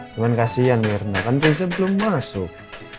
cuma kasian mirna kan besok belum masuk